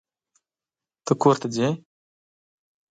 ته کورته ځې؟